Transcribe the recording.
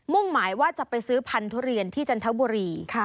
หมายว่าจะไปซื้อพันธุเรียนที่จันทบุรี